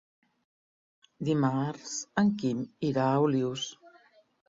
Dimarts en Quim irà a Olius.